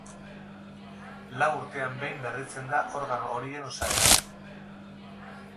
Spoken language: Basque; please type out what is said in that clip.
Lau urtean behin berritzen da organo horien osaera.